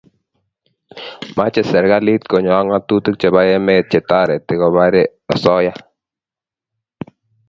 mache serikalit konyo ak ngatutik chebo emet che tareti koparie asoya